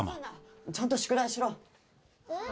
ちゃんと宿題しろ。